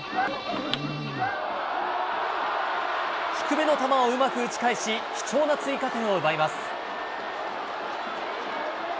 低めの球をうまく打ち返し、貴重な追加点を奪います。